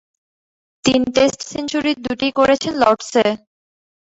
তিন টেস্ট সেঞ্চুরির দুটিই করেছেন লর্ডসে।